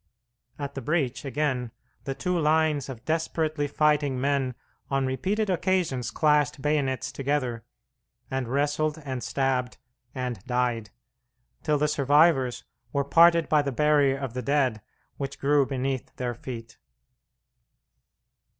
At the breach, again, the two lines of desperately fighting men on repeated occasions clashed bayonets together, and wrestled and stabbed and died, till the survivors were parted by the barrier of the dead which grew beneath their feet.